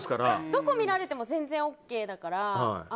どこを見られても全然ＯＫだから。